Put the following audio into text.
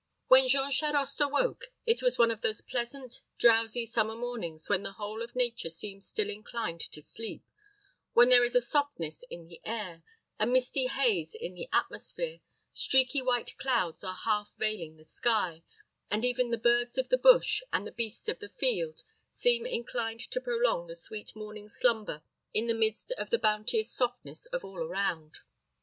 When Jean Charost awoke, it was one of those pleasant, drowsy summer mornings when the whole of nature seems still inclined to sleep, when there is a softness in the air, a misty haze in the atmosphere, streaky white clouds are half veiling the sky, and even the birds of the bush, and the beasts of the field, seem inclined to prolong the sweet morning slumber in the midst of the bounteous softness of all around.